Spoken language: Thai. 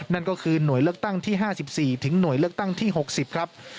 นั่นก็คือหน่วยเลือกตั้งที่๕๔ถึงหน่วยเลือกตั้งที่๖๐ครับ